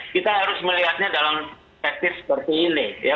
kita harus melihatnya dalam kreatif seperti ini ya